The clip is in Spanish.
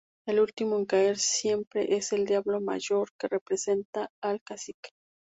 El último en caer siempre es el Diablo Mayor, que representa al cacique.